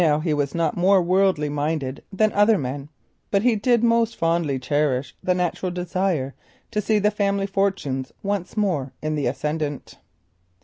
He was not more worldly minded than are other men, but he did fondly cherish a natural desire to see the family fortunes once more in the ascendant.